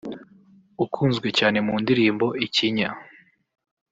ukunzwe cyane mu ndirimbo ’Ikinya’